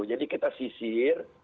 jadi kita sisir